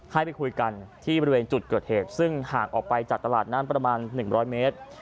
ให้ไปคุยกันที่บริเวณจุดเกิดเหตุซึ่งห่างออกไปจากตลาดนั้นประมาณ๑๐๐เมตร